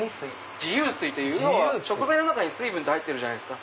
自由水要は食材の中に水分入ってるじゃないですか。